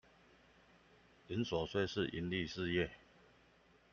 營所稅是營利事業